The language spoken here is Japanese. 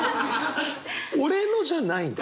俺のじゃないんだ。